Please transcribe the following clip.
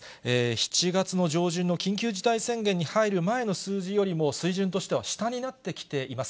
７月の上旬の緊急事態宣言に入る前の数字よりも水準としては下になってきています。